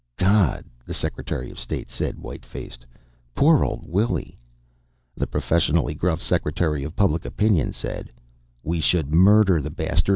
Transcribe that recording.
"God," the Secretary of State said, white faced. "Poor old Willy!" The professionally gruff Secretary of Public Opinion said: "We should murder the bastard.